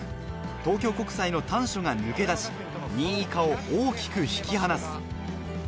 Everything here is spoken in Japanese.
東京国際の丹所が抜け出し、２位以下を大きく引き離す。